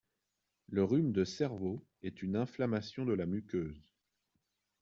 Le rhume de cerveau est une inflammation de la muqueuse…